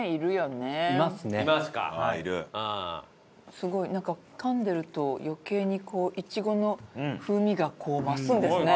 すごいなんかかんでると余計にこうイチゴの風味が増すんですね。